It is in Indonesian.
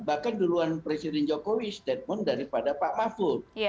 bahkan duluan presiden jokowi statement daripada pak mahfud